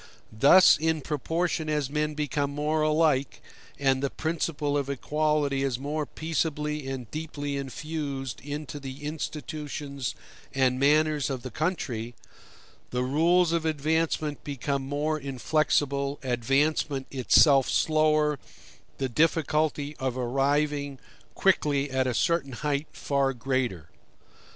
Thus in proportion as men become more alike, and the principle of equality is more peaceably and deeply infused into the institutions and manners of the country, the rules of advancement become more inflexible, advancement itself slower, the difficulty of arriving quickly at a certain height far greater.